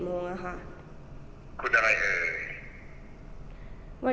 คุณพ่อได้จดหมายมาที่บ้าน